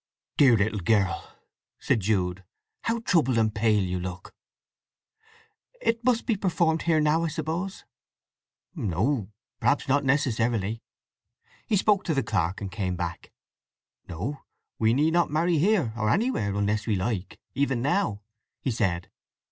"Dear little girl," said Jude. "How troubled and pale you look!" "It must be performed here now, I suppose?" "No—perhaps not necessarily." He spoke to the clerk, and came back. "No—we need not marry here or anywhere, unless we like, even now," he said.